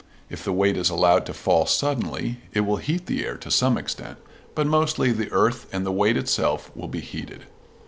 If the weight is allowed to fall suddenly it will heat the air to some extent, but mostly the earth and the weight itself will be heated.